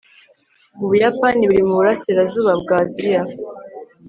ubuyapani buri mu burasirazuba bwa aziya